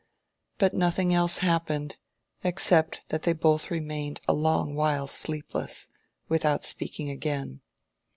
But nothing else happened, except that they both remained a long while sleepless, without speaking again.